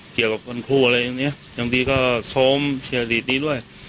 เกี่ยวกับคนคู่อะไรอย่างนี้บางทีก็โซมเสียหลีดดีด้วย